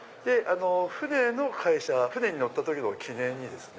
船の会社船に乗った時の記念にですね